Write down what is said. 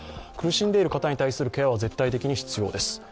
苦しんでいる方に対するケアは絶対的に必要です。